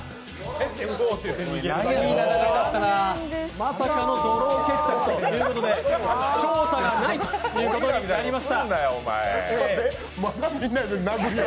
まさかのドロー決着ということで、勝者がいないということになってしまいました。